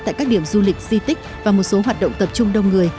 tại các điểm du lịch di tích và một số hoạt động tập trung đông người